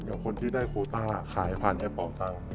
คนที่ได้โคต้าขายผ่านแอปเป่าตังค์